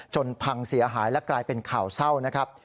พังเสียหายและกลายเป็นข่าวเศร้านะครับ